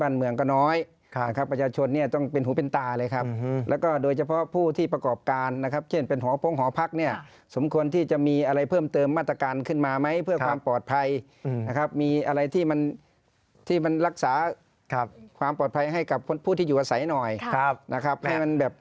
สืบเสาะหน่อยครับก่อนที่เหตุมันจะเกิดขึ้น